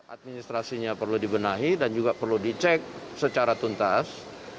administrasinya perlu dibenahi dan juga perlu dicek secara tuntas